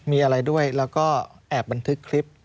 มีอะไรด้วยแล้วก็แอบบันทึกคลิป